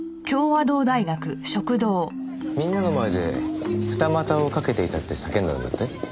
みんなの前で二股をかけていたって叫んだんだって？